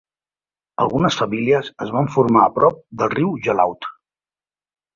Algunes famílies es van formar a prop del riu Jalaud.